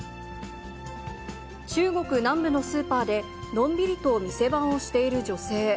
中国南部のスーパーで、のんびりと店番をしている女性。